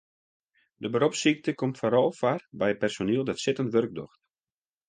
De beropssykte komt foaral foar by personiel dat sittend wurk docht.